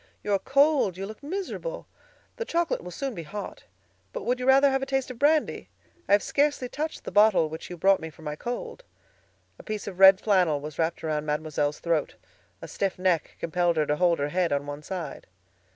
"You are cold; you look miserable. The chocolate will soon be hot. But would you rather have a taste of brandy? I have scarcely touched the bottle which you brought me for my cold." A piece of red flannel was wrapped around Mademoiselle's throat; a stiff neck compelled her to hold her head on one side.